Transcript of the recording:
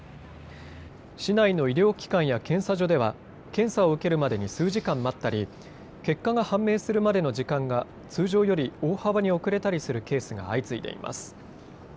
市内の医療機関や検査所では検査を受けるまでに数時間待ったり結果が判明するまでの時間が通常より大幅に遅れたりするケースが相次いでいます。